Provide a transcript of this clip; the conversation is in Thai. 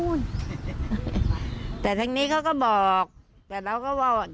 อยู่โน้นแต่ทั้งนี้เขาก็บอกแต่เราก็ว่าทัน